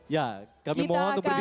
ya kami mohon untuk berdiri